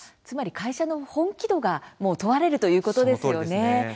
つまり会社の本気度が問われるということですよね。